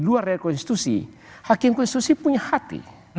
di luar dari konstitusi hakim konstitusi punya hati